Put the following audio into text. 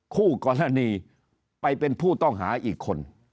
คู่กรณีไปเป็นผู้ต้องหาอีกคน